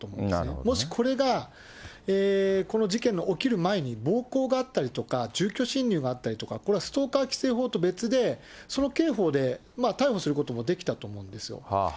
もしこれが、この事件の起きる前に暴行があったりとか住居侵入があったりとかストーカー規制法とは別で、その刑法で逮捕することもできたと思うんですよ。